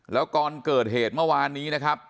แล้วก่อนเกิดเหตุเมื่อวานนี้นะครับ